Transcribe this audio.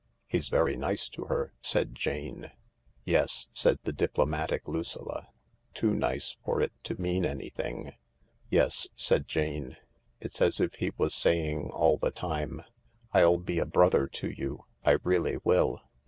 He's very nice to her," said Jane. "Yes," said the diplomatic Lucilla, "too nice for it to mean anything." " Yes," said Jane. " It's as if he was saying all the time, ' I'll be a brother to you — I really will.'